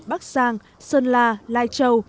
bắc giang sơn la lai châu